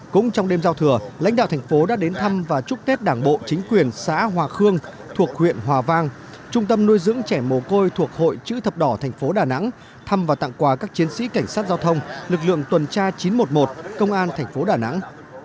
cũng trong đêm giao thừa lãnh đạo thành phố đã đến thăm và chúc tết đảng bộ chính quyền xã hòa khương thuộc huyện hòa vang trung tâm nuôi dưỡng trẻ mồ côi thuộc hội chữ thập đỏ thành phố đà nẵng thăm và tặng quà các chiến sĩ cảnh sát giao thông lực lượng tuần tra chín trăm một mươi một công an thành phố đà nẵng